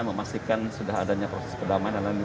memastikan sudah adanya proses kedamaian dan lain lain